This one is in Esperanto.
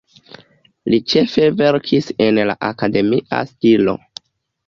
Li ĉefe verkis en la akademia stilo.